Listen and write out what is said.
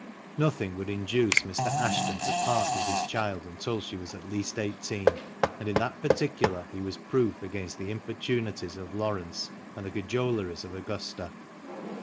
Nothing would induce Mr. Ashton to part with his child until she was at least eighteen; and in that particular he was proof against the importunities of Laurence and the cajoleries of Augusta.